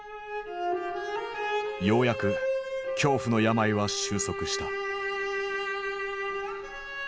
ようやく恐怖の病は終息した。